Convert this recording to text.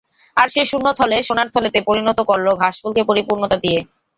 আর সে শূন্য থলে সোনার থলেতে পরিণত করল ঘাসফুলকে পরিপূর্ণতা দিয়ে।